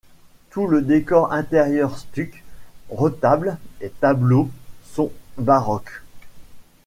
Tout le décor intérieur, stucs, retables et tableaux, sont baroques.